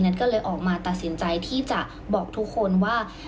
ก็เลยออกมาตัดสินใจที่จะบอกทุกคนว่า